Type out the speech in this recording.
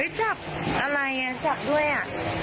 จับอะไรอ่ะจับด้วยอ่ะ